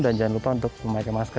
dan jangan lupa untuk memakai masker